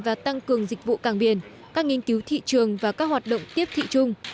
và tăng cường dịch vụ càng biển các nghiên cứu thị trường và các hoạt động tiếp thị chung